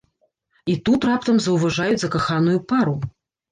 І тут раптам заўважаюць закаханую пару.